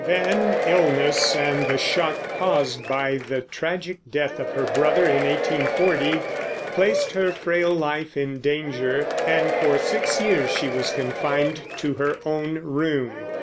Then illness and the shock caused by the tragic death of her brother, in 1840, placed her frail life in danger, and for six years she was confined to her own room.